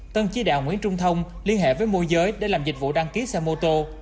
tân chỉ đạo nguyễn trung thông liên hệ với môi giới để làm dịch vụ đăng ký xe mô tô